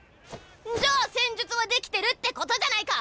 じゃあ戦術はできてるってことじゃないか！